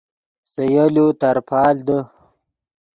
سے یولو ترپال دے